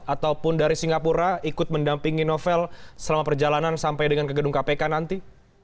ataupun dari singapura ikut mendampingi novel selama perjalanan sampai dengan ke gedung kpk nanti